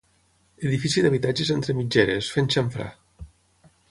Edifici d'habitatges entre mitgeres, fent xamfrà.